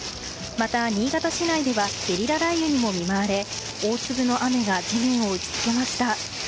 また、新潟市内ではゲリラ雷雨にも見舞われ大粒の雨が地面を打ち付けました。